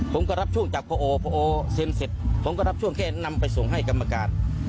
ผมก็รับช่วงจากพอโอเซ็นเสร็จผมก็รับช่วงแค่นำไปส่งให้กรรมการ